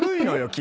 君。